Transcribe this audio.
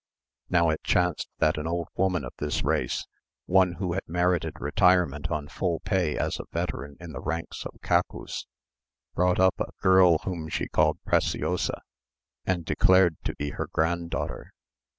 Now it chanced that an old woman of this race, one who had merited retirement on full pay as a veteran in the ranks of Cacus, brought up a girl whom she called Preciosa, and declared to be her granddaughter.